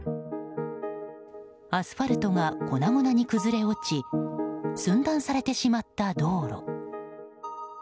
アスファルトが粉々に崩れ落ち寸断されてしまった道路。